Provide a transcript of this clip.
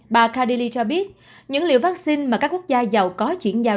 bà khadili cho biết những liều vắc xin mà các quốc gia giàu có chuyển giao